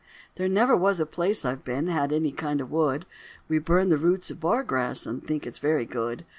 There never was a place I've been Had any kind of wood. We burn the roots of bar grass And think it's very good.